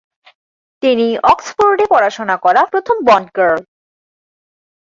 তিনি অক্সফোর্ডে পড়াশোনা করা প্রথম বন্ড গার্ল।